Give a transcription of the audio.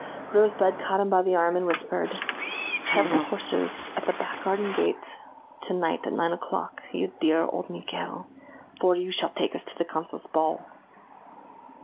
Rosebud caught him by the arm, and whispered: "Have the horses at the back garden gate to night at nine o'clock, you dear old Miguel, for you shall take us to the consul's ball."